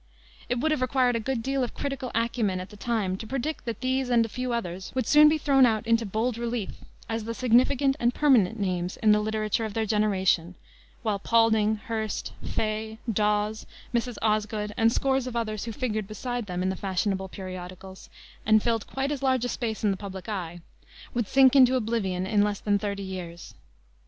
It would have required a good deal of critical acumen, at the time, to predict that these and a few others would soon be thrown out into bold relief, as the significant and permanent names in the literature of their generation, while Paulding, Hirst, Fay, Dawes, Mrs. Osgood, and scores of others who figured beside them in the fashionable periodicals, and filled quite as large a space in the public eye, would sink into oblivion in less than thirty years.